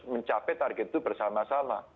ya harus mencapai target itu bersama sama